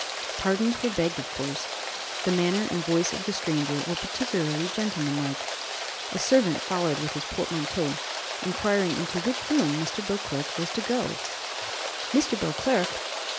Pardons were begged of course. The manner and voice of the stranger were particularly gentlemanlike. A servant followed with his portmanteau, inquiring into which room Mr. Beauclerc was to go? "Mr. Beauclerc!"